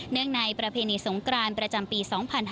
ในประเพณีสงกรานประจำปี๒๕๕๙